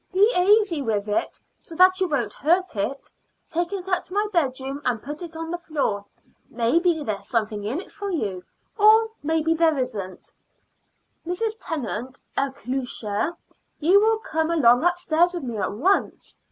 Be aisy with it, so that you won't hurt it. Take it up to my bedroom and put it on the floor. Maybe there's something in it for you, or maybe there isn't Mrs. Tennant, acushla! you will come along upstairs with me at once.